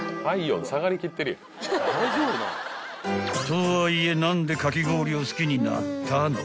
［とはいえ何でかき氷を好きになったの？］